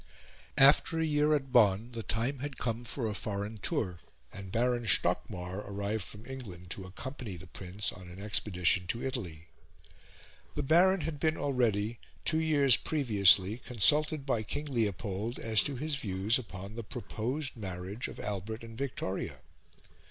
After a year at Bonn, the time had come for a foreign tour, and Baron Stockmar arrived from England to accompany the Prince on an expedition to Italy. The Baron had been already, two years previously, consulted by King Leopold as to his views upon the proposed marriage of Albert and Victoria.